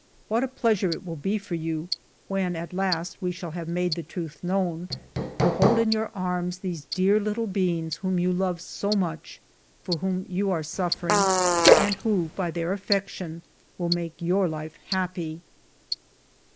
What a pleasure it will be for you, when at last we shall have made the truth known, to hold in your arms these dear little beings whom you love so much, for whom you are ALFRED DREYFUS 191 suffering, and who, by their affection, will make your life happy."